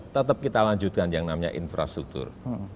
tetap kita lanjutkan yang namanya infrastruktur